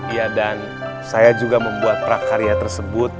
ya dan saya juga membuat prakarya tersebut